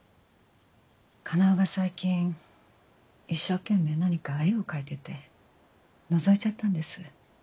叶が最近一生懸命何か絵を描いててのぞいちゃったんです。